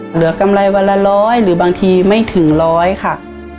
กำไรวันละร้อยหรือบางทีไม่ถึงร้อยค่ะ